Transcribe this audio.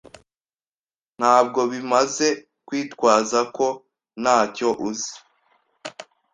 Ntabwo bimaze kwitwaza ko ntacyo uzi.